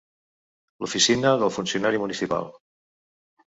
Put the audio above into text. L'oficina del funcionari municipal.